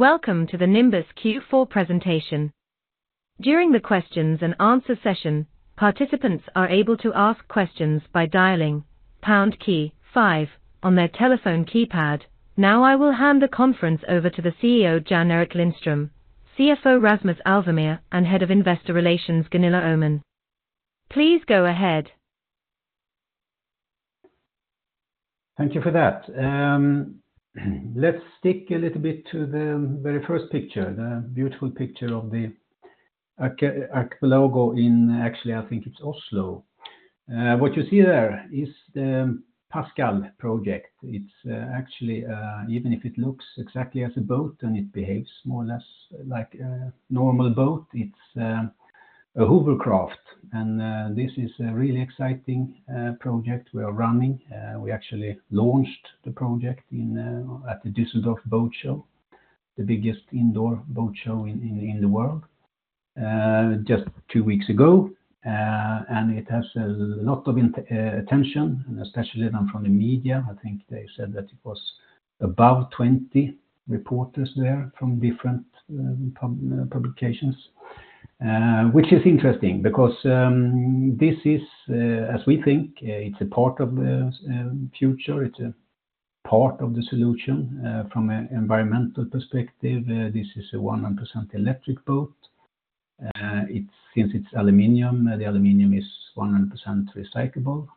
Welcome to the Nimbus Q4 presentation. During the questions and answer session, participants are able to ask questions by dialing pound key five on their telephone keypad. Now, I will hand the conference over to the CEO, Jan-Erik Lindström, CFO, Rasmus Alvemyr, and Head of Investor Relations, Gunilla Öhman. Please go ahead. Thank you for that. Let's stick a little bit to the very first picture, the beautiful picture of the archipelago in, actually, I think it's Oslo. What you see there is the Project Pascal. It's actually even if it looks exactly as a boat and it behaves more or less like a normal boat, it's a hovercraft, and this is a really exciting project we are running. We actually launched the project at the Düsseldorf Boat Show, the biggest indoor boat show in the world, just two weeks ago. And it has a lot of attention, especially from the media. I think they said that it was above 20 reporters there from different publications. Which is interesting because this is, as we think, it's a part of the future, it's a part of the solution from an environmental perspective. This is a 100% electric boat. It, since it's aluminum, the aluminum is 100% recyclable.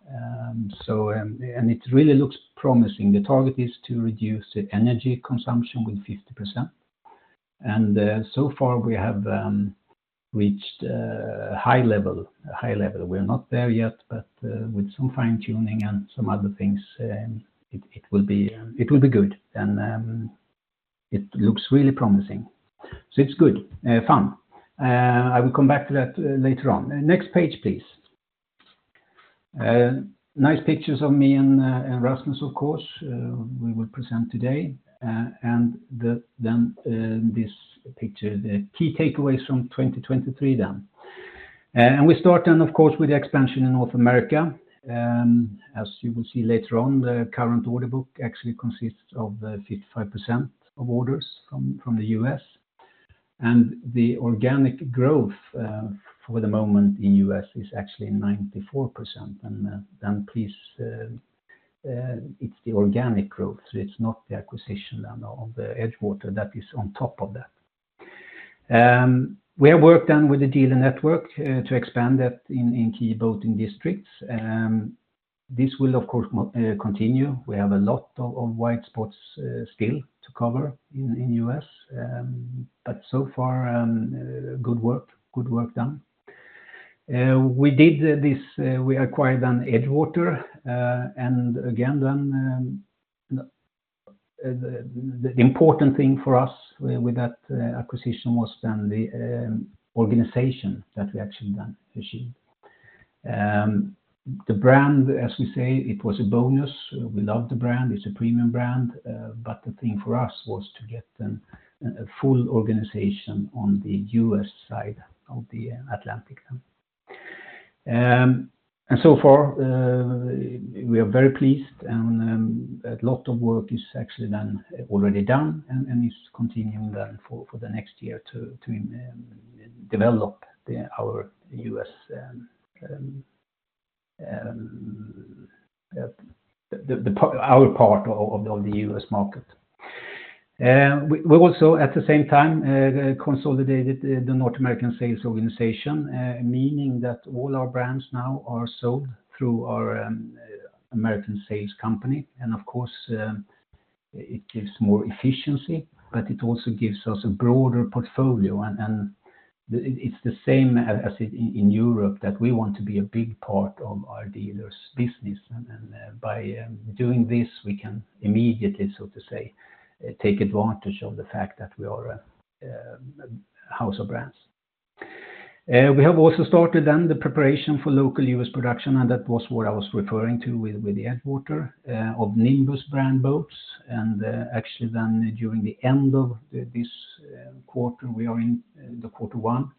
So, and it really looks promising. The target is to reduce the energy consumption with 50%. And so far we have reached a high level, a high level. We're not there yet, but with some fine-tuning and some other things, it will be good, and it looks really promising. So it's good fun. I will come back to that later on. Next page, please. Nice pictures of me and Rasmus, of course, we will present today. Then, this picture, the key takeaways from 2023. And we start then, of course, with the expansion in North America. As you will see later on, the current order book actually consists of 55% of orders from the U.S. And the organic growth for the moment in the U.S. is actually 94%. And then please, it's the organic growth, so it's not the acquisition then of the EdgeWater that is on top of that. We have worked then with the dealer network to expand that in key boating districts. This will, of course, continue. We have a lot of white spots still to cover in the U.S. But so far, good work, good work done. We did this, we acquired an EdgeWater, and again, then, the important thing for us with that acquisition was then the organization that we actually then achieved. The brand, as we say, it was a bonus. We love the brand, it's a premium brand, but the thing for us was to get them a full organization on the U.S. side of the Atlantic. And so far, we are very pleased, and a lot of work is actually then already done and is continuing then for the next year to develop our U.S. the our part of the U.S. market. We also, at the same time, consolidated the North American sales organization, meaning that all our brands now are sold through our American sales company. Of course, it gives more efficiency, but it also gives us a broader portfolio, and it is the same as in Europe, that we want to be a big part of our dealers' business. By doing this, we can immediately, so to say, take advantage of the fact that we are a house of brands. We have also started the preparation for local U.S. production, and that was what I was referring to with the Edgewater of Nimbus brand boats. Actually, then during the end of this quarter, we are in quarter one,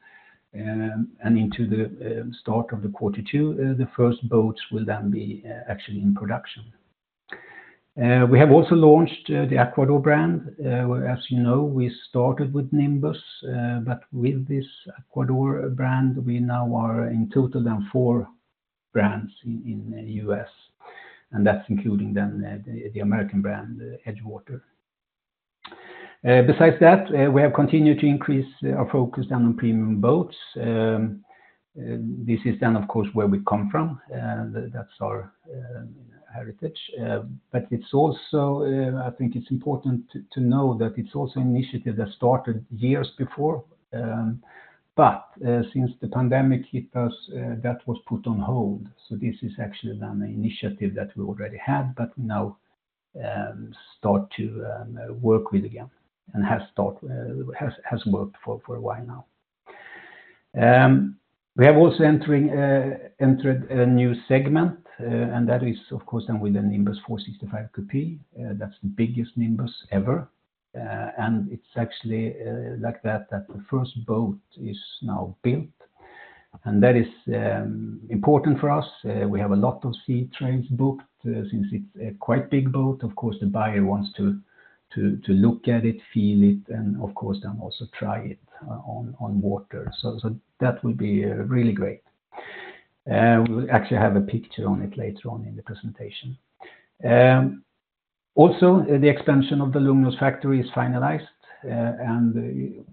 and into the start of quarter two, the first boats will then be actually in production. We have also launched the Aquador brand, where, as you know, we started with Nimbus, but with this Aquador brand, we now are in total then four brands in the US, and that's including then the American brand, EdgeWater. Besides that, we have continued to increase our focus then on premium boats. This is then, of course, where we come from, and that's our heritage. But it's also, I think it's important to know that it's also an initiative that started years before, but since the pandemic hit us, that was put on hold. So this is actually then the initiative that we already had, but now start to work with again, and has worked for a while now. We have also entered a new segment, and that is, of course, then with the Nimbus 465 Coupé. That's the biggest Nimbus ever. And it's actually like that, that the first boat is now built. And that is important for us. We have a lot of sea trials booked, since it's a quite big boat. Of course, the buyer wants to look at it, feel it, and of course, then also try it on water. So that will be really great. We will actually have a picture on it later on in the presentation. Also, the expansion of the Lugnås factory is finalized, and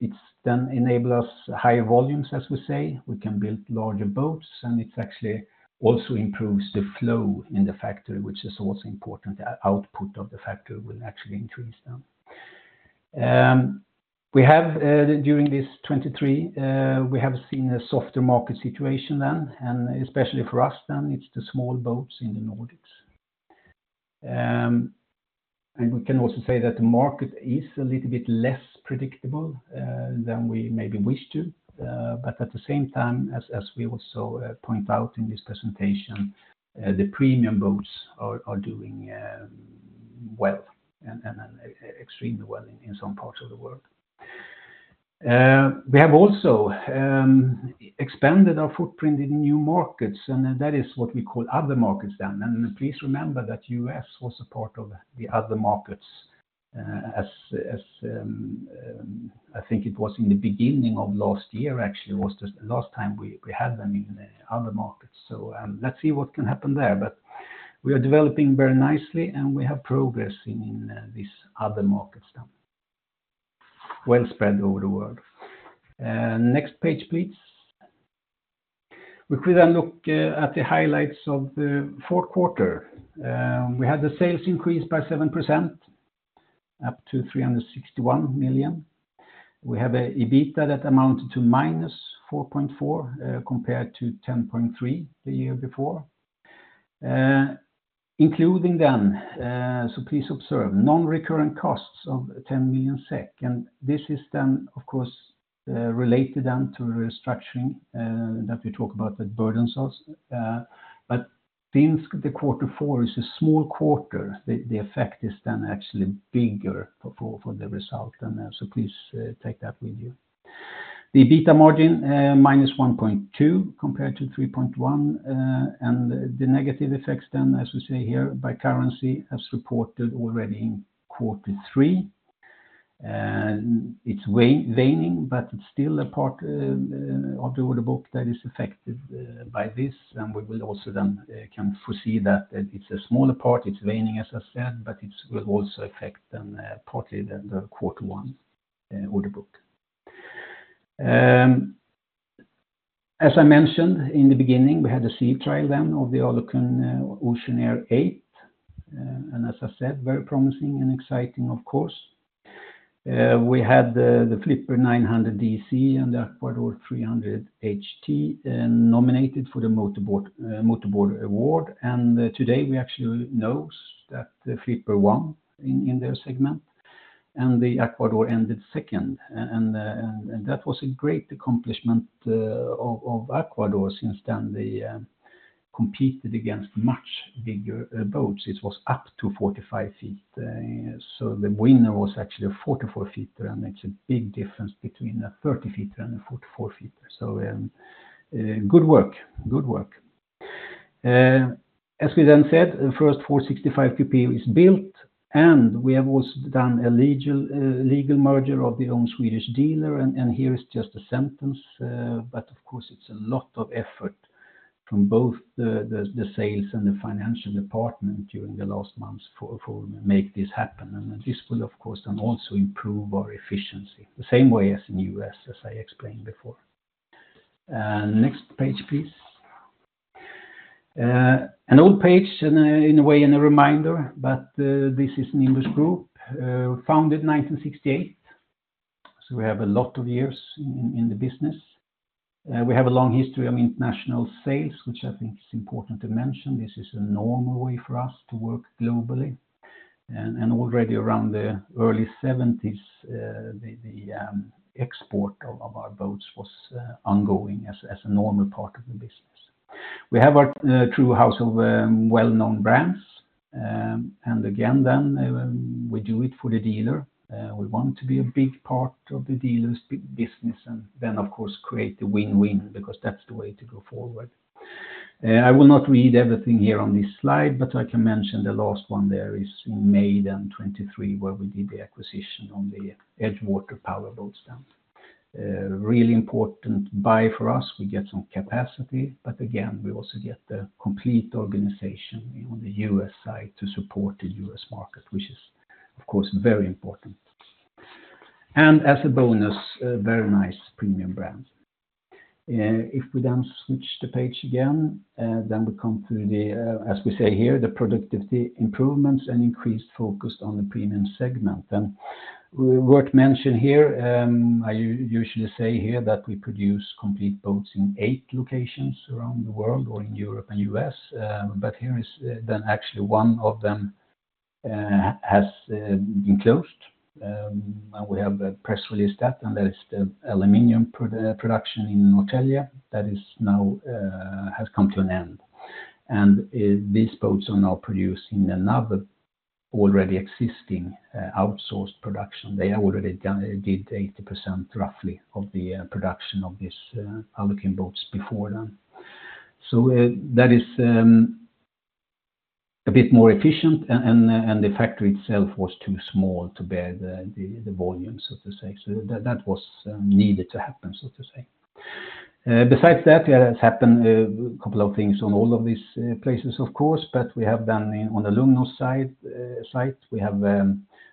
it's then enable us higher volumes, as we say. We can build larger boats, and it's actually also improves the flow in the factory, which is also important. The output of the factory will actually increase then. We have, during this 2023, we have seen a softer market situation then, and especially for us, then it's the small boats in the Nordics. And we can also say that the market is a little bit less predictable, than we maybe wish to, but at the same time, as we also point out in this presentation, the premium boats are doing well, and extremely well in some parts of the world. We have also expanded our footprint in new markets, and that is what we call other markets then. Please remember that U.S. was a part of the other markets, as I think it was in the beginning of last year, actually, was the last time we had them in the other markets. Let's see what can happen there. We are developing very nicely, and we have progress in these other markets then. Well spread over the world. Next page, please. We could then look at the highlights of the fourth quarter. We had the sales increase by 7%, up to 361 million. We have an EBITDA that amounted to -4.4 million, compared to 10.3 million the year before. Including then, so please observe, non-recurrent costs of 10 million SEK, and this is then, of course, related then to the restructuring that we talk about that burdens us. But since quarter four is a small quarter, the effect is then actually bigger for the result then, so please, take that with you. The EBITDA margin, -1.2%, compared to 3.1%, and the negative effects then, as we say here, by currency, as reported already in quarter three. It's way waning, but it's still a part of the order book that is affected by this, and we will also then can foresee that it's a smaller part. It's waning, as I said, but it will also affect then partly the quarter one order book. As I mentioned in the beginning, we had a sea trial then of the Alukin Ocean Air 8, and as I said, very promising and exciting, of course. We had the Flipper 900 DC and the Aquador 300 HT nominated for the Motor Boat Award, and that was a great accomplishment of Aquador, since then they competed against much bigger boats. It was up to 45 feet, so the winner was actually a 44 footer, and it's a big difference between a 30 footer and a 44 footer. Good work, good work. As we then said, the first 465 CP is built, and we have also done a legal merger of our own Swedish dealer, and here is just a sentence, but of course, it's a lot of effort from both the sales and the financial department during the last months to make this happen. This will, of course, then also improve our efficiency, the same way as in U.S., as I explained before. Next page, please. An old page, in a way, and a reminder, but this is a Swedish group, founded 1968, so we have a lot of years in the business. We have a long history of international sales, which I think is important to mention. This is a normal way for us to work globally, and already around the early seventies, the export of our boats was ongoing as a normal part of the business. We have a true house of well-known brands, and again, then we do it for the dealer. We want to be a big part of the dealer's big business, and then, of course, create the win-win, because that's the way to go forward. I will not read everything here on this slide, but I can mention the last one there is in May 2023, where we did the acquisition on the EdgeWater Power Boats then. Really important buy for us, we get some capacity, but again, we also get the complete organization on the U.S. side to support the U.S. market, which is, of course, very important. And as a bonus, a very nice premium brand. If we then switch the page again, then we come to the, as we say here, the productivity improvements and increased focus on the premium segment. Then, worth mentioning here, I usually say here that we produce complete boats in eight locations around the world, or in Europe and U.S., but here is, then actually one of them, has been closed. And we have a press release that, and that is the aluminum production in Norrtälje, that is now, has come to an end. These boats are now produced in another already existing, outsourced production. They already did 80% roughly of the production of this Alukin boats before then. So, that is a bit more efficient, and the factory itself was too small to bear the volumes, so to say. So that was needed to happen, so to say. Besides that, there has happened a couple of things on all of these places, of course, but we have done on the Lugnås site, we have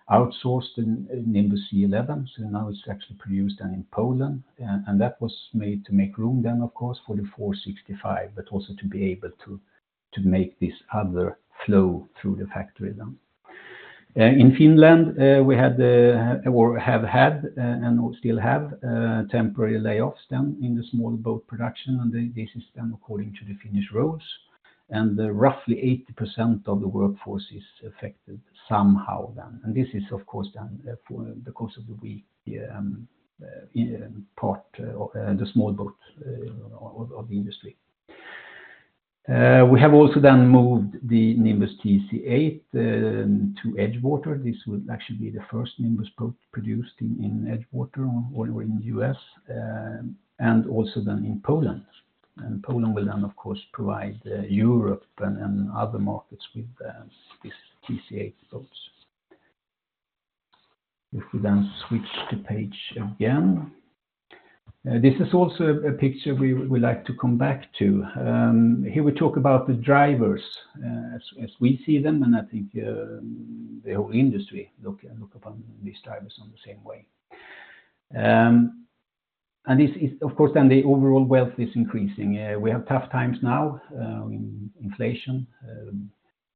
outsourced the Nimbus C11, so now it's actually produced in Poland, and that was made to make room then, of course, for the 465, but also to be able to make this other flow through the factory then. In Finland, we had the, or have had, and still have, temporary layoffs then in the small boat production, and this is done according to the Finnish rules, and roughly 80% of the workforce is affected somehow then. And this is, of course, then, for the course of the week, in part, the small boat, of, of the industry. We have also then moved the Nimbus T8 to Edgewater. This will actually be the first Nimbus boat produced in Edgewater or in the U.S., and also then in Poland. And Poland will then, of course, provide Europe and other markets with this T8 boats. If we then switch to page again. This is also a picture we would like to come back to. Here we talk about the drivers as we see them, and I think the whole industry look upon these drivers in the same way. And this is, of course, then the overall wealth is increasing. We have tough times now, inflation.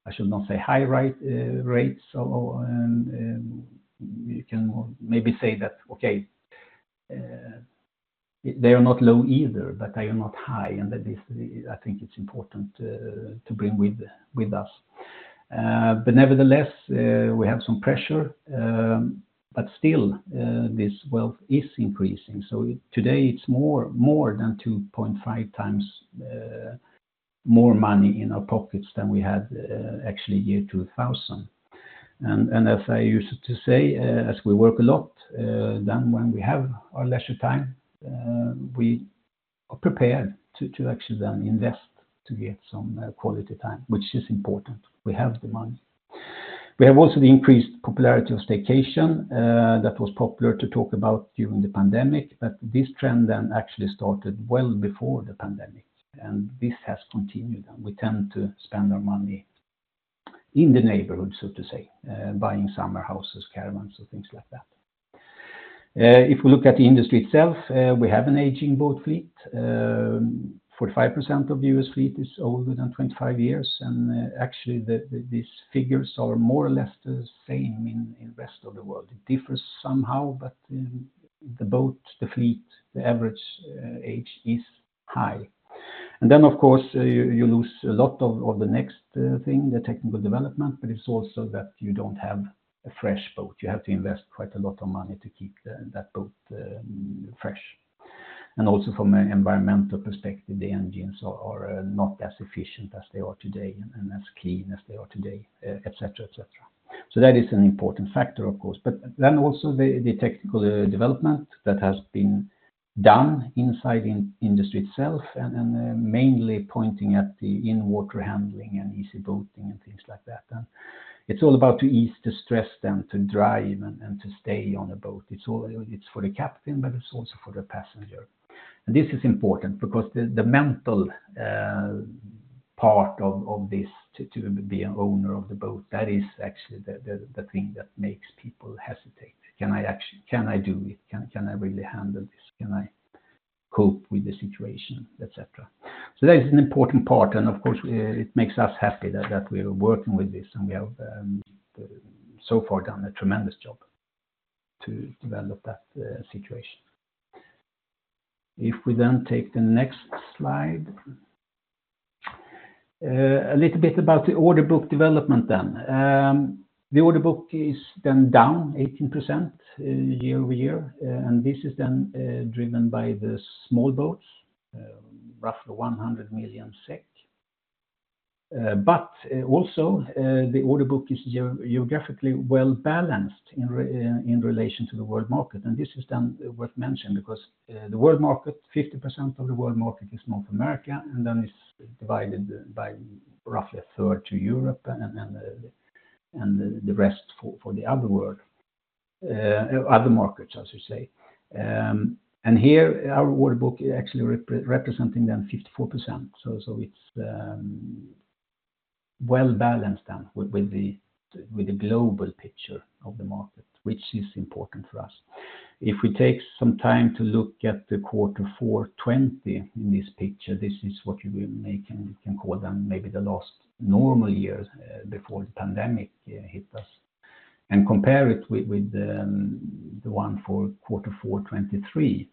I should not say high rates, so and you can maybe say that, okay, they are not low either, but they are not high, and that is, I think it's important to bring with us. But nevertheless, we have some pressure, but still this wealth is increasing. So today it's more than 2.5x more money in our pockets than we had actually year 2000. As I used to say, as we work a lot, then when we have our leisure time, we are prepared to, to actually then invest to get some quality time, which is important. We have the money. We have also the increased popularity of staycation that was popular to talk about during the pandemic, but this trend then actually started well before the pandemic, and this has continued, and we tend to spend our money in the neighborhood, so to say, buying summer houses, caravans, and things like that. If we look at the industry itself, we have an aging boat fleet. 45% of U.S. fleet is older than 25 years, and actually, these figures are more or less the same in rest of the world. It differs somehow, but in the boat, the fleet, the average age is high. And then, of course, you lose a lot of the next thing, the technical development, but it's also that you don't have a fresh boat. You have to invest quite a lot of money to keep that boat fresh. And also from an environmental perspective, the engines are not as efficient as they are today and as clean as they are today, et cetera, et cetera. So that is an important factor, of course. But then also the technical development that has been done inside in industry itself, and mainly pointing at the in-water handling and easy boating and things like that. And it's all about to ease the stress then, to drive and to stay on a boat. It's all, it's for the captain, but it's also for the passenger. This is important because the mental part of this to be an owner of the boat, that is actually the thing that makes people hesitate. Can I actually, can I do it? Can I really handle this? Can I cope with the situation, et cetera. That is an important part, and of course, it makes us happy that we are working with this, and we have so far done a tremendous job to develop that situation. If we then take the next slide. A little bit about the order book development then. The order book is then down 18% year-over-year, and this is then driven by the small boats, roughly 100 million SEK. But also the order book is geographically well balanced in relation to the world market, and this is then worth mentioning because the world market, 50% of the world market is North America, and then it's divided by roughly a third to Europe and then and the rest for the other world other markets, as you say. And here, our order book is actually representing then 54%. So it's well balanced then with the global picture of the market, which is important for us. If we take some time to look at the Q4 2020 in this picture, this is what you will make, and you can call them maybe the last normal years, before the pandemic hit us, and compare it with, with the, the one for Q4 2023.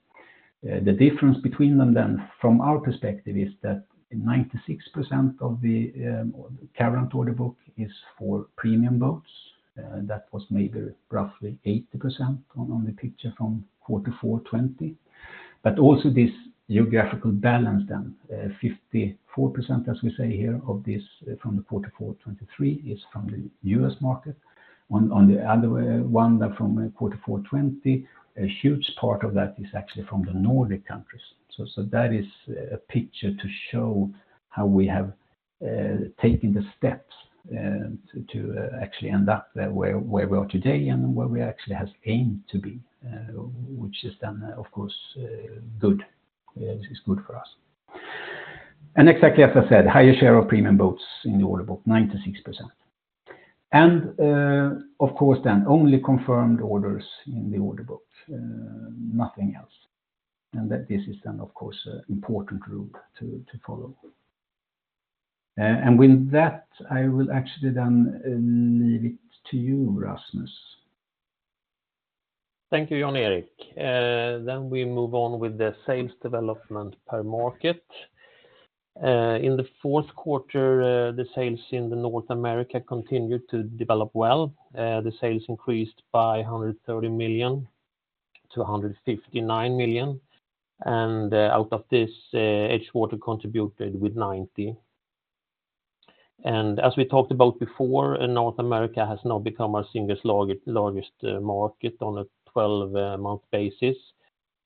The difference between them then, from our perspective, is that 96% of the, current order book is for premium boats, that was maybe roughly 80% on, on the picture from Q4 2020. But also this geographical balance then, 54%, as we say here, of this from the Q4 2023 is from the US market. On, on the other one, from Q4 2020, a huge part of that is actually from the Nordic countries. So, so that is a picture to show how we have taken the steps to actually end up where we are today and where we actually have aimed to be, which is then, of course, good. It is good for us. And exactly as I said, higher share of premium boats in the order book, 96%. And, of course, then only confirmed orders in the order book, nothing else. And that this is then, of course, an important group to follow. And with that, I will actually then leave it to you, Rasmus. Thank you, Jan-Erik. Then we move on with the sales development per market. In the fourth quarter, the sales in North America continued to develop well. The sales increased by 130 million to 159 million, and out of this, Edgewater contributed with 90 million. And as we talked about before, North America has now become our single largest, largest market on a 12-month basis.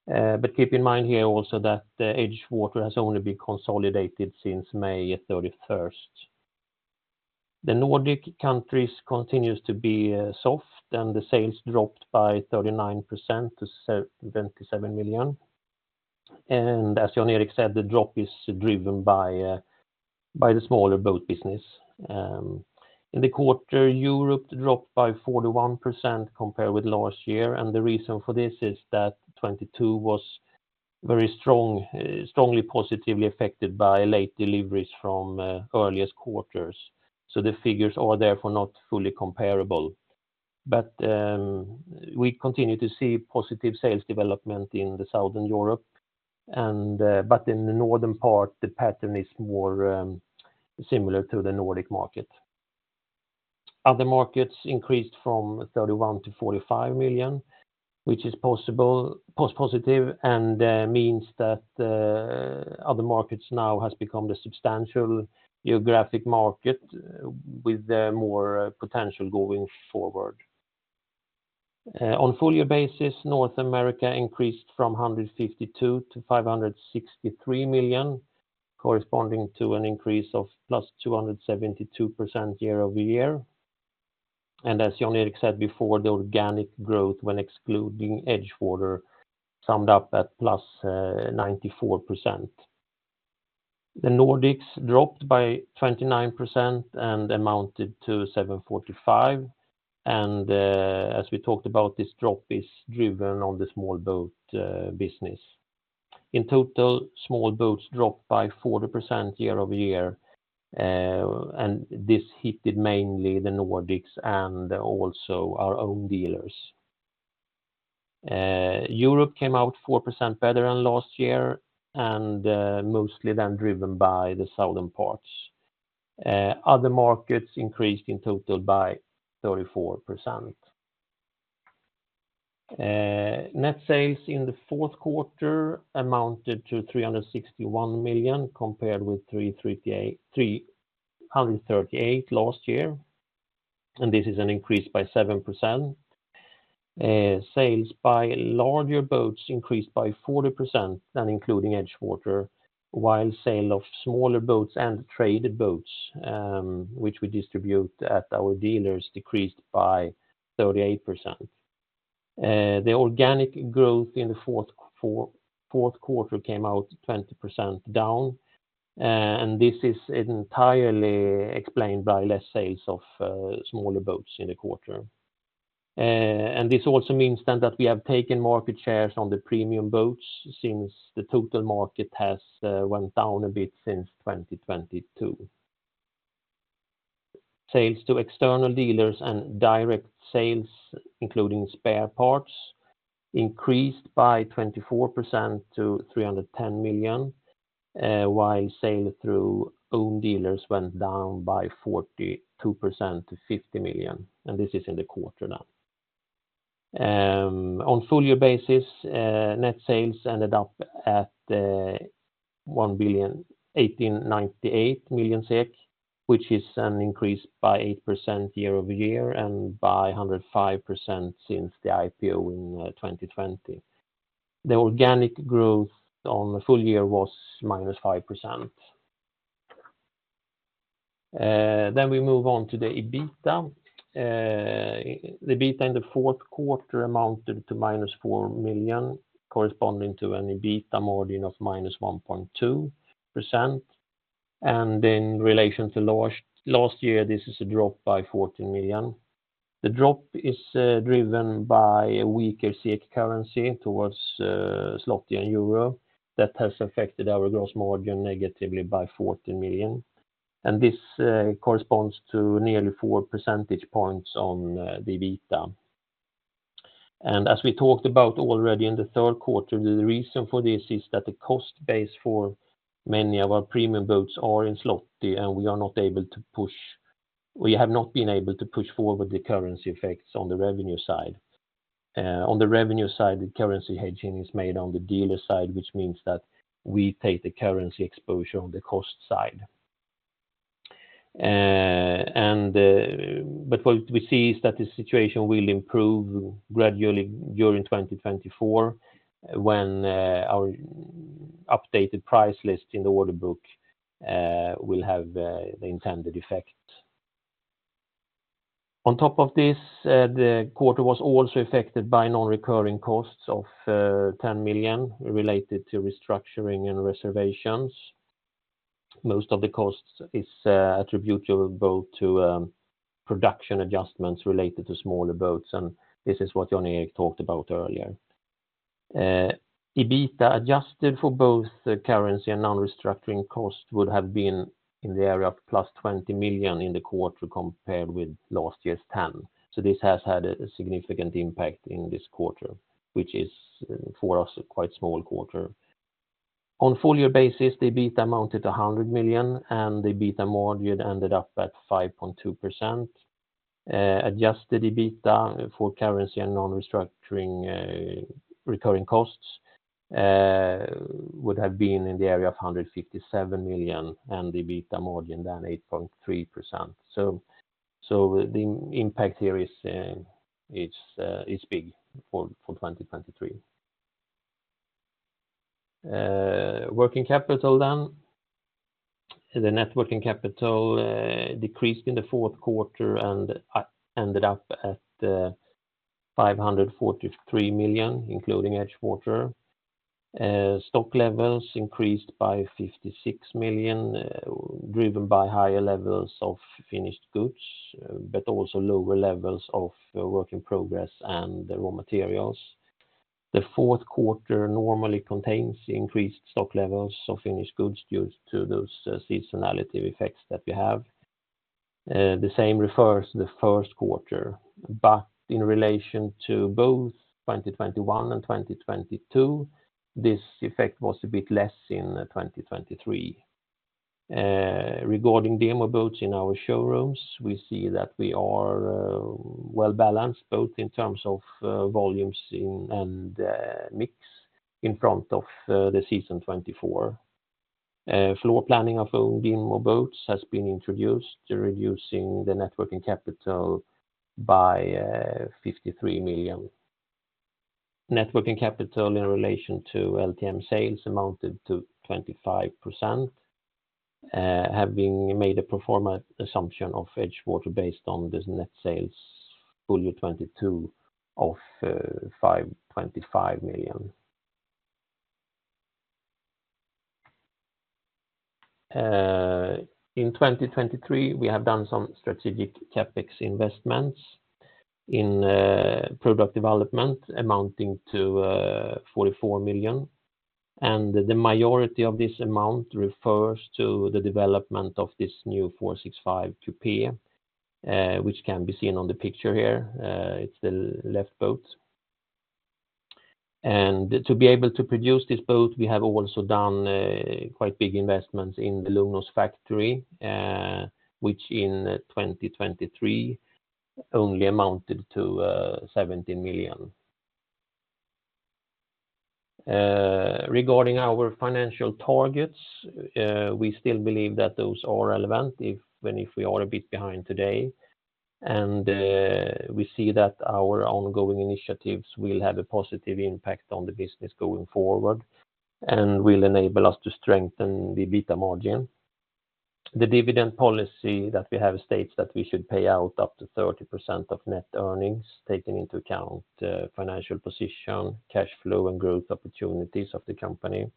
But keep in mind here also that the Edgewater has only been consolidated since May 31st. The Nordic countries continues to be soft, and the sales dropped by 39% to 27 million. And as Jan-Erik said, the drop is driven by the smaller boat business. In the quarter, Europe dropped by 41% compared with last year, and the reason for this is that 2022 was very strong, strongly positively affected by late deliveries from earliest quarters. The figures are therefore not fully comparable. But we continue to see positive sales development in the Southern Europe, and but in the northern part, the pattern is more similar to the Nordic market. Other markets increased from 31 million to 45 million, which is positive, and means that other markets now has become the substantial geographic market with more potential going forward. On full-year basis, North America increased from 152 million to 563 million, corresponding to an increase of +272% year-over-year. As Jan-Erik said before, the organic growth, when excluding EdgeWater, summed up at +94%. The Nordics dropped by 29% and amounted to 745 million, and as we talked about, this drop is driven on the small boat business. In total, small boats dropped by 40% year-over-year, and this hit mainly the Nordics and also our own dealers. Europe came out 4% better than last year, and mostly then driven by the southern parts. Other markets increased in total by 34%. Net sales in the fourth quarter amounted to 361 million, compared with 338 million last year, and this is an increase by 7%. Sales by larger boats increased by 40% than including EdgeWater, while sales of smaller boats and traded boats, which we distribute at our dealers, decreased by 38%. The organic growth in the fourth quarter came out 20% down, and this is entirely explained by less sales of smaller boats in the quarter. And this also means then that we have taken market shares on the premium boats since the total market has went down a bit since 2022. Sales to external dealers and direct sales, including spare parts, increased by 24% to 310 million, while sales through own dealers went down by 42% to 50 million, and this is in the quarter now. On full-year basis, net sales ended up at 1,018.98 million SEK, which is an increase by 8% year-over-year and by 105% since the IPO in 2020. The organic growth on the full year was -5%. Then we move on to the EBITDA. The EBITDA in the fourth quarter amounted to -4 million, corresponding to an EBITDA margin of -1.2%. In relation to last year, this is a drop by 14 million. The drop is driven by a weaker SEK currency towards złoty and euro. That has affected our gross margin negatively by 14 million, and this corresponds to nearly four percentage points on the EBITDA. And as we talked about already in the third quarter, the reason for this is that the cost base for many of our premium boats are in złoty, and we are not able to push forward the currency effects on the revenue side. On the revenue side, the currency hedging is made on the dealer side, which means that we take the currency exposure on the cost side. And, but what we see is that the situation will improve gradually during 2024, when our updated price list in the order book will have the intended effect. On top of this, the quarter was also affected by non-recurring costs of 10 million related to restructuring and reservations. Most of the costs is attributable both to production adjustments related to smaller boats, and this is what Jan-Erik talked about earlier. EBITDA, adjusted for both the currency and non-restructuring cost, would have been in the area of +20 million in the quarter compared with last year's 10 million. So this has had a significant impact in this quarter, which is for us a quite small quarter. On full-year basis, the EBITDA amounted to 100 million, and the EBITDA margin ended up at 5.2%. Adjusted EBITDA for currency and non-restructuring recurring costs would have been in the area of 157 million, and the EBITDA margin then 8.3%. So the impact here is big for 2023. Working capital then. The net working capital decreased in the fourth quarter and ended up at 543 million, including EdgeWater. Stock levels increased by 56 million, driven by higher levels of finished goods, but also lower levels of work in progress and the raw materials. The fourth quarter normally contains increased stock levels of finished goods due to those seasonality effects that we have. The same refers to the first quarter, but in relation to both 2021 and 2022, this effect was a bit less in 2023. Regarding demo boats in our showrooms, we see that we are well-balanced, both in terms of volumes in and mix in front of the season 2024. Floor planning of own demo boats has been introduced, reducing the net working capital by 53 million. Net working capital in relation to LTM sales amounted to 25%, having made a pro forma assumption of EdgeWater based on this net sales full year 2022 of 525 million. In 2023, we have done some strategic CapEx investments in product development amounting to 44 million, and the majority of this amount refers to the development of this new 465 Coupé, which can be seen on the picture here. It's the left boat. And to be able to produce this boat, we have also done a quite big investments in the Lugnås factory, which in 2023 only amounted to SEK 17 million. Regarding our financial targets, we still believe that those are relevant, even if we are a bit behind today. We see that our ongoing initiatives will have a positive impact on the business going forward and will enable us to strengthen the EBITDA margin. The dividend policy that we have states that we should pay out up to 30% of net earnings, taking into account the financial position, cash flow, and growth opportunities of the company.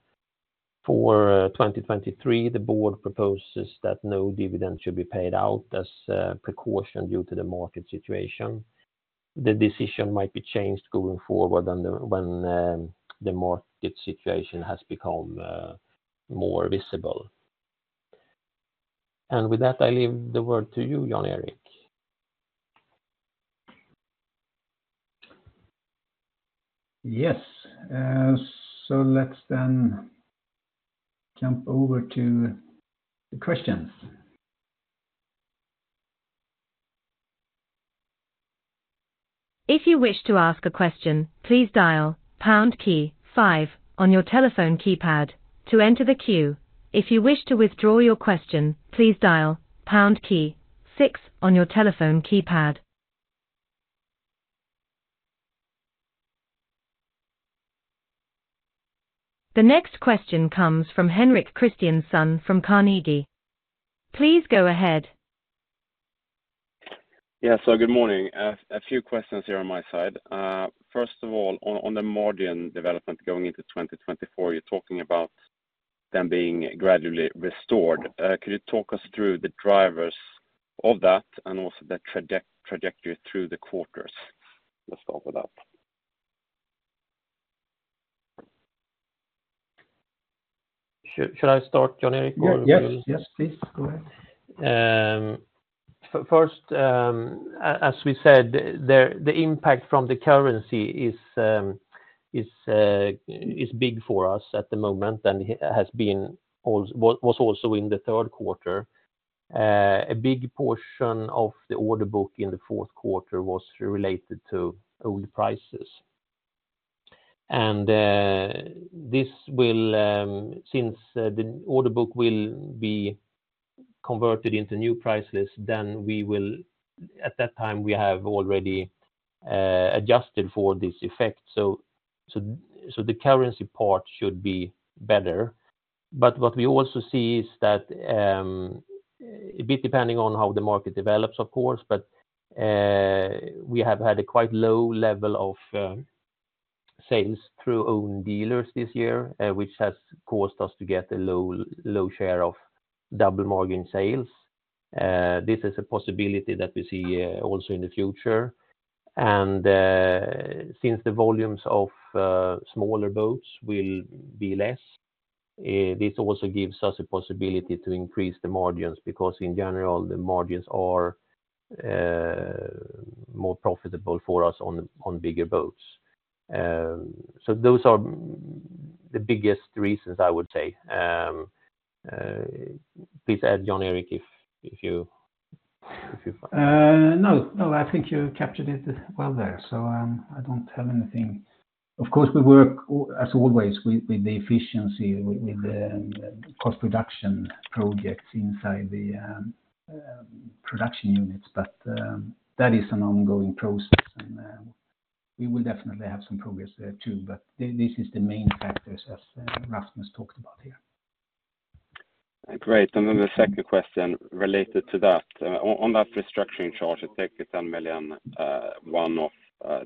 For 2023, the board proposes that no dividend should be paid out as a precaution due to the market situation. The decision might be changed going forward when the market situation has become more visible. With that, I leave the word to you, Jan-Erik. Yes, so let's then jump over to the questions. If you wish to ask a question, please dial pound key five on your telephone keypad to enter the queue. If you wish to withdraw your question, please dial pound key six on your telephone keypad. The next question comes from Henrik Christiansson from Carnegie. Please go ahead. Yeah, good morning. A few questions here on my side. First of all, on the margin development going into 2024, you're talking about them being gradually restored. Could you talk us through the drivers of that and also the trajectory through the quarters? Let's start with that. Should I start, Jan-Erik, or- Yes, yes, please, go ahead. First, as we said, the impact from the currency is big for us at the moment, and has been also in the third quarter. A big portion of the order book in the fourth quarter was related to old prices. And this will, since the order book will be converted into new prices, then we will. At that time, we have already adjusted for this effect. So the currency part should be better. But what we also see is that, a bit depending on how the market develops, of course, but we have had a quite low level of sales through own dealers this year, which has caused us to get a low share of double margin sales. This is a possibility that we see also in the future. Since the volumes of smaller boats will be less, this also gives us a possibility to increase the margins, because in general, the margins are more profitable for us on bigger boats. So those are the biggest reasons I would say. Please add, Jan-Erik, if you, if you- No, no, I think you captured it well there, so I don't have anything. Of course, we work, as always, with, with the efficiency, with the cost reduction projects inside the production units, but that is an ongoing process, and we will definitely have some progress there too, but this is the main factors as Rasmus talked about here. Great. And then the second question related to that. On that restructuring charge, it takes a 10 million one-off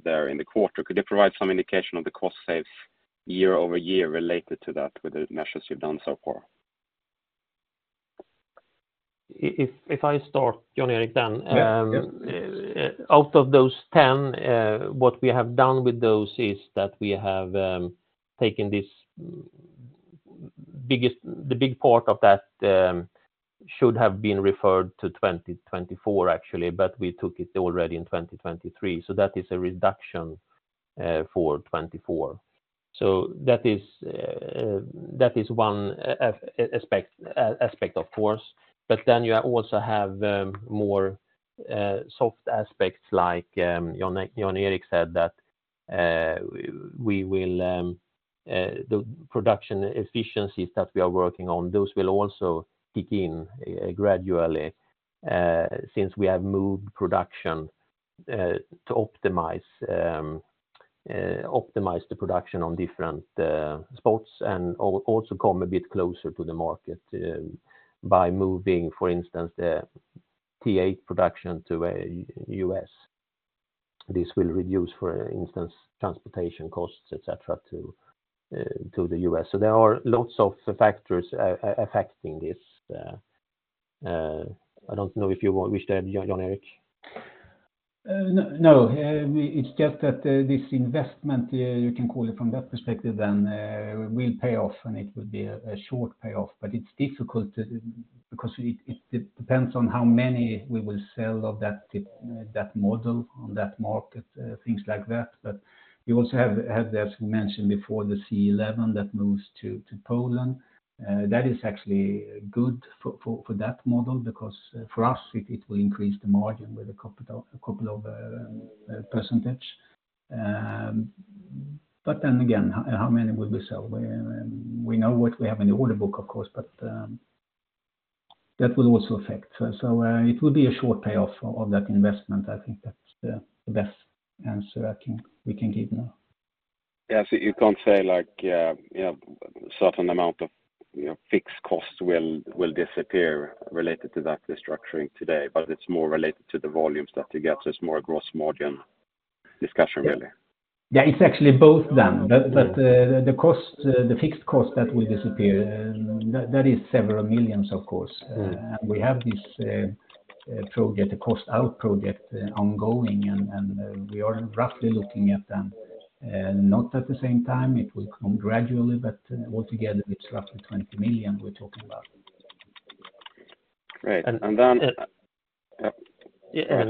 there in the quarter. Could you provide some indication of the cost saves year-over-year related to that, with the measures you've done so far? If I start, Jan-Erik, then? Yeah. Yeah. Out of those 10, what we have done with those is that we have taken this biggest—the big part of that should have been referred to 2024, actually, but we took it already in 2023. So that is a reduction for 2024. So that is that is one aspect, aspect, of course. But then you also have more soft aspects like, Jan-Erik said, that we will the production efficiencies that we are working on, those will also kick in gradually since we have moved production to optimize optimize the production on different spots, and also come a bit closer to the market by moving, for instance, the T8 production to the U.S. This will reduce, for instance, transportation costs, et cetera, to the U.S. So there are lots of factors affecting this. I don't know if you wish to add, Jan-Erik? No, no. It's just that, this investment, you can call it from that perspective, then, will pay off, and it will be a short payoff, but it's difficult to... Because it depends on how many we will sell of that model on that market, things like that. But you also have, as we mentioned before, the C11 that moves to Poland. That is actually good for that model, because for us, it will increase the margin with a couple of percentage. But then again, how many will we sell? We know what we have in the order book, of course, but that will also affect. So, it will be a short payoff of that investment. I think that's the best answer I can, we can give now. Yes. You can't say, like, you know, certain amount of, you know, fixed costs will disappear related to that restructuring today, but it's more related to the volumes that you get, so it's more a gross margin discussion, really? Yeah, it's actually both then. But the cost, the fixed cost that will disappear, that is several million SEK, of course. Mm-hmm. And we have this project, the cost out project ongoing, and we are roughly looking at them, not at the same time, it will come gradually, but altogether, it's roughly 20 million we're talking about. Great. And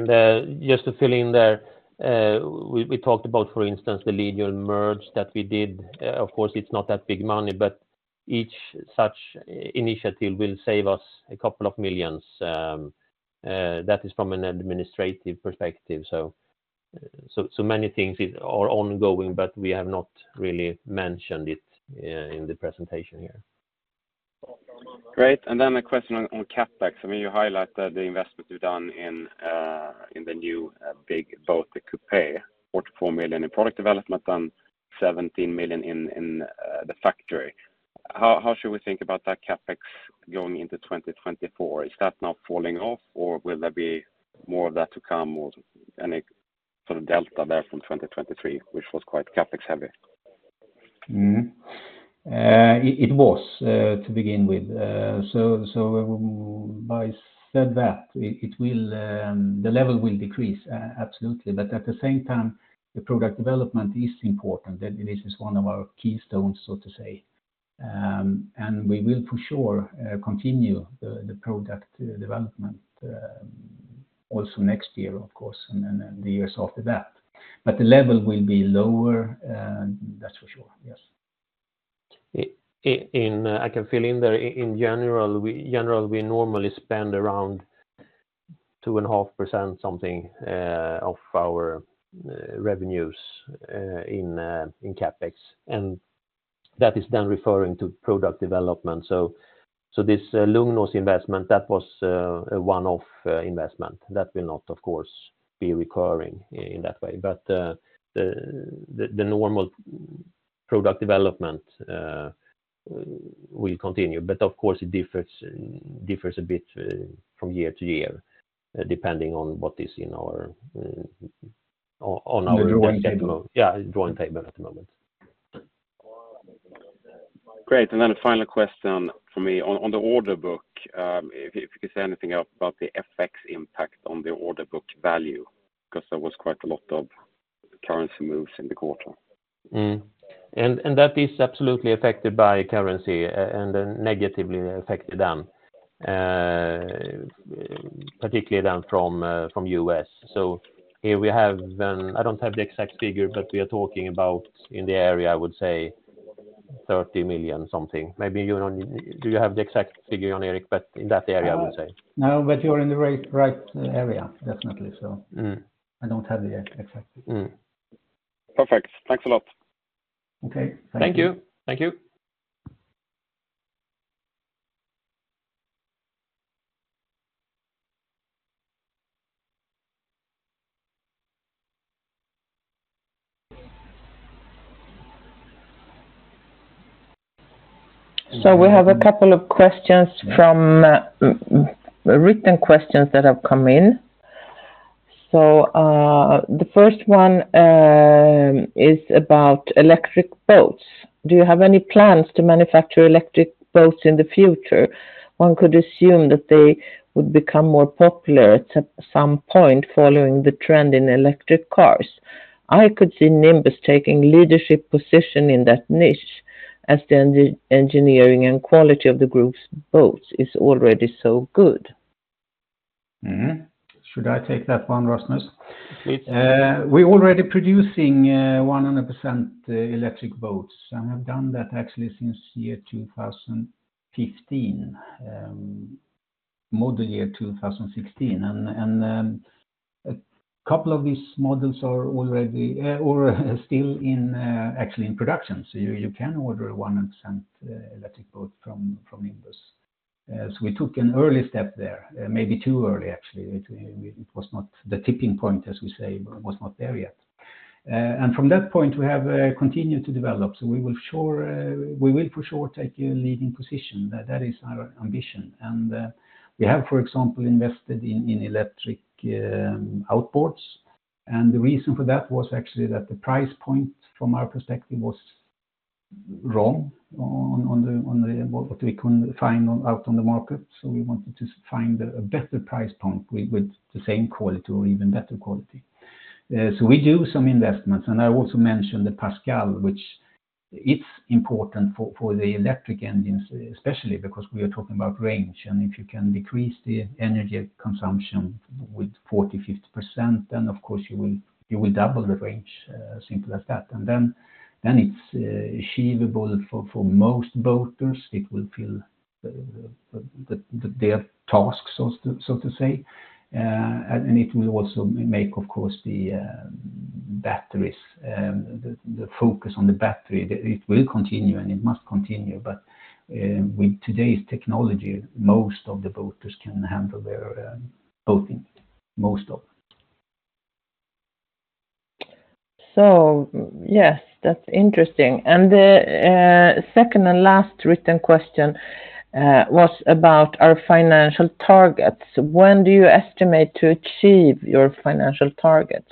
then- Just to fill in there, we talked about, for instance, the legal merger that we did. Of course, it's not that big money, but each such initiative will save us a couple of million SEK. That is from an administrative perspective. So many things are ongoing, but we have not really mentioned it in the presentation here. Great. And then a question on CapEx. I mean, you highlight the investment you've done in the new big boat, the coupe, 44 million in product development and 17 million in the factory. How should we think about that CapEx going into 2024? Is that now falling off, or will there be more of that to come, or any sort of delta there from 2023, which was quite CapEx heavy? Mm-hmm. It was to begin with. So, as I said, it will, the level will decrease absolutely. But at the same time, the product development is important, and this is one of our keystones, so to say. And we will, for sure, continue the product development also next year, of course, and then the years after that. But the level will be lower, and that's for sure, yes. I can fill in there. In general, we normally spend around 2.5% of our revenues in CapEx, and that is then referring to product development. So this Lugnås investment, that was a one-off investment. That will not, of course, be recurring in that way. But the normal product development will continue. But of course, it differs a bit from year to year depending on what is in our on our- The drawing table. Yeah, drawing table at the moment. Great, and then a final question for me. On the order book, if you could say anything about the FX impact on the order book value, because there was quite a lot of currency moves in the quarter. Mm-hmm, and that is absolutely affected by currency, and then negatively affected them, particularly down from US. So here we have, I don't have the exact figure, but we are talking about in the area, I would say, 30 million something. Maybe you don't... Do you have the exact figure on, Erik, but in that area, I would say? No, but you're in the right, right area, definitely. Mm-hmm. I don't have the exact figure. Mm-hmm. Perfect. Thanks a lot. Okay. Thank you. Thank you. So we have a couple of questions from written questions that have come in. So, the first one is about electric boats. Do you have any plans to manufacture electric boats in the future? One could assume that they would become more popular at some point, following the trend in electric cars. I could see Nimbus taking leadership position in that niche, as the engineering and quality of the group's boats is already so good. Mm-hmm. Should I take that one, Rasmus? Please. We're already producing 100% electric boats, and have done that actually since year 2015, model year 2016. And a couple of these models are already or still actually in production. So you can order a 100% electric boat from Nimbus. So we took an early step there, maybe too early, actually. It was not the tipping point, as we say, but it was not there yet. And from that point, we have continued to develop. So we will sure, we will for sure take a leading position. That is our ambition. And we have, for example, invested in electric outboards. The reason for that was actually that the price point from our perspective was wrong on the market. So we wanted to find a better price point with the same quality or even better quality. So we do some investments, and I also mentioned the Pascal, which it's important for the electric engines, especially because we are talking about range. And if you can decrease the energy consumption with 40%-50%, then, of course, you will double the range, simple as that. And then it's achievable for most boaters. It will fill their tasks, so to say. And it will also make, of course, the batteries, the focus on the battery, that it will continue, and it must continue. But, with today's technology, most of the boaters can handle their boating, most of them. So yes, that's interesting. And the second and last written question was about our financial targets. When do you estimate to achieve your financial targets?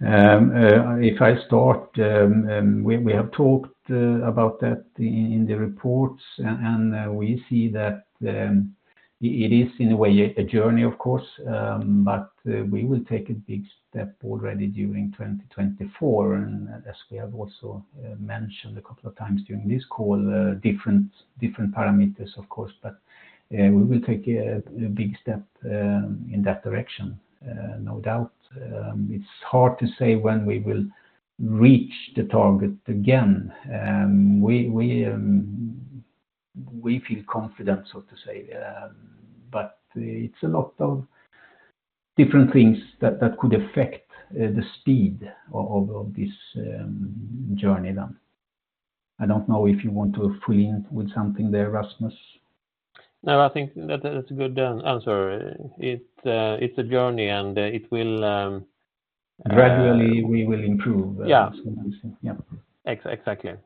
If I start, we have talked about that in the reports, and we see that it is in a way a journey, of course, but we will take a big step already during 2024. And as we have also mentioned a couple of times during this call, different parameters, of course, but we will take a big step in that direction, no doubt. It's hard to say when we will reach the target again. We feel confident, so to say, but it's a lot of different things that could affect the speed of this journey then. I don't know if you want to fill in with something there, Rasmus. No, I think that's a good answer. It's a journey, and it will Gradually, we will improve. Yeah. Yeah. Exactly. Exactly,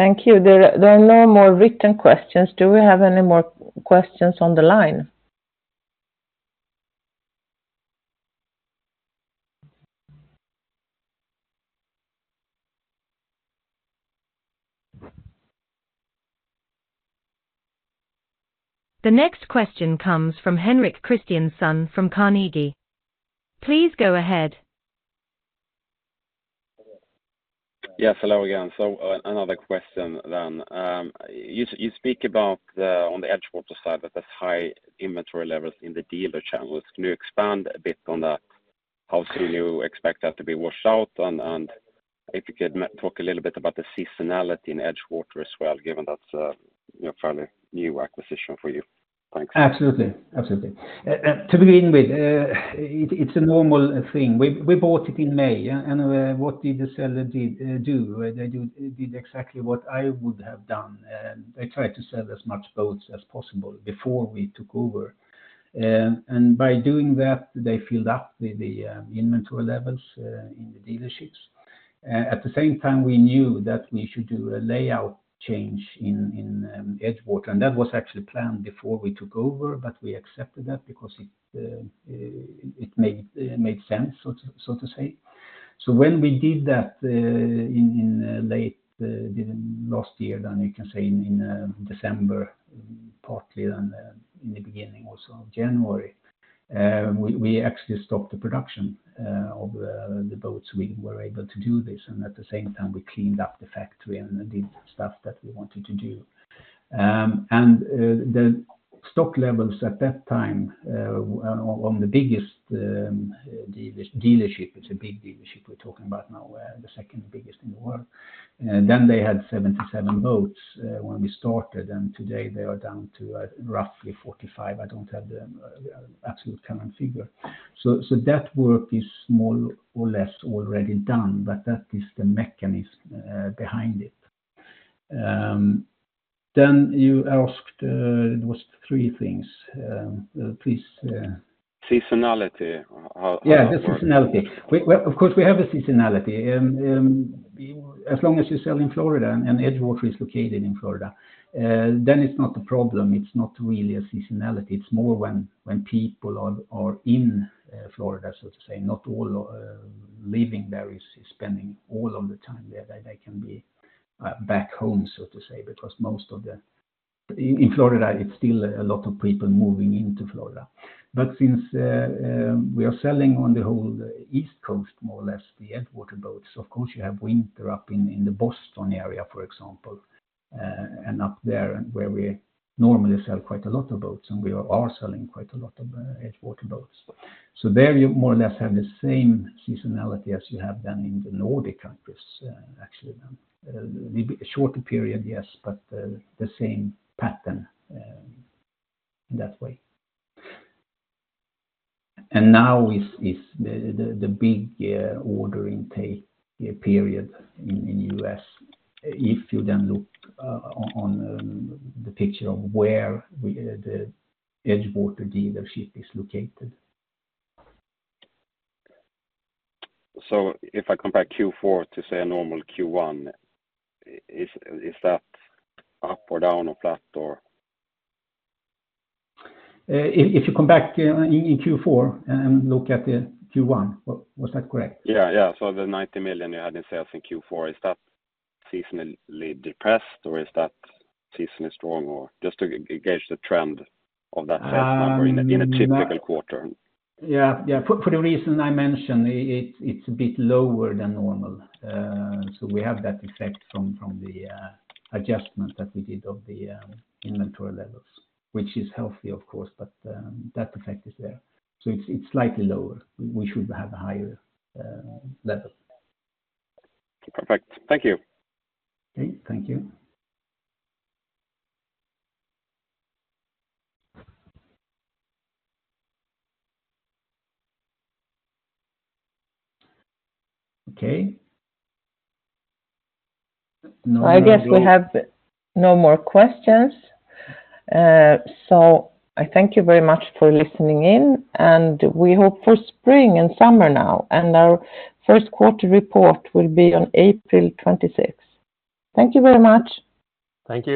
so. Thank you. There are no more written questions. Do we have any more questions on the line? The next question comes from Henrik Christiansson from Carnegie. Please go ahead. ... Yes, hello again. So, another question then. You speak about the on the EdgeWater side that there's high inventory levels in the dealer channels. Can you expand a bit on that? How soon you expect that to be washed out, and if you could talk a little bit about the seasonality in EdgeWater as well, given that's, you know, a fairly new acquisition for you? Thanks. Absolutely. Absolutely. To begin with, it's a normal thing. We bought it in May, yeah, and what did the seller did do? Well, they did exactly what I would have done. They tried to sell as much boats as possible before we took over. And by doing that, they filled up the inventory levels in the dealerships. At the same time, we knew that we should do a layout change in Edgewater, and that was actually planned before we took over, but we accepted that because it made sense, so to say. So when we did that, in late last year, then you can say in December, partly, and in the beginning also of January, we actually stopped the production of the boats. We were able to do this, and at the same time, we cleaned up the factory and did stuff that we wanted to do. And the stock levels at that time, on the biggest dealership, it's a big dealership we're talking about now, the second biggest in the world. Then they had 77 boats when we started, and today they are down to roughly 45. I don't have the absolute current figure. So that work is more or less already done, but that is the mechanism behind it. Then you asked, it was three things. Please, Seasonality, Yeah, the seasonality. Well, of course, we have a seasonality. As long as you sell in Florida and Edgewater is located in Florida, then it's not a problem, it's not really a seasonality. It's more when people are in Florida, so to say, not all living there is spending all of the time there. They can be back home, so to say, because most of the... In Florida, it's still a lot of people moving into Florida. But since we are selling on the whole East Coast, more or less, the Edgewater boats, of course, you have winter up in the Boston area, for example, and up there where we normally sell quite a lot of boats, and we are selling quite a lot of Edgewater boats. So there you more or less have the same seasonality as you have than in the Nordic countries, actually. Maybe a shorter period, yes, but, the same pattern, in that way. And now is the big ordering take period in the U.S., if you then look on the picture of where we the Edgewater dealership is located. So if I compare Q4 to, say, a normal Q1, is that up or down or flat, or? If you come back in Q4 and look at the Q1, was that correct? Yeah, yeah. So the 90 million you had in sales in Q4, is that seasonally depressed, or is that seasonally strong, or just to gauge the trend of that sales number in a typical quarter? Yeah, yeah. For the reason I mentioned, it's a bit lower than normal. So we have that effect from the adjustment that we did of the inventory levels, which is healthy, of course, but that effect is there. So it's slightly lower. We should have a higher level. Perfect. Thank you. Okay, thank you. Okay. I guess we have no more questions. So, I thank you very much for listening in, and we hope for spring and summer now, and our first quarter report will be on April twenty-sixth. Thank you very much. Thank you.